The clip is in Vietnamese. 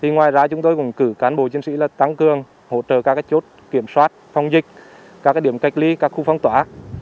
ngoài ra chúng tôi cũng cử cán bộ chiến sĩ tăng cường hỗ trợ các chốt kiểm soát phong dịch các điểm cách ly các khu phong tỏa